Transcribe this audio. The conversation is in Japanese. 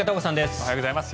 おはようございます。